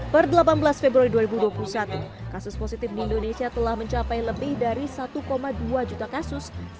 per delapan belas februari dua ribu dua puluh satu kasus positif di indonesia telah mencapai lebih dari satu dua juta kasus